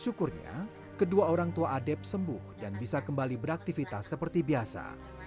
syukurnya kedua orang tua adep sembuh dan bisa kembali beraktivitas seperti biasa